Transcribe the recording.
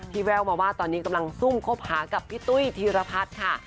แววมาว่าตอนนี้กำลังซุ่มคบหากับพี่ตุ้ยธีรพัฒน์ค่ะ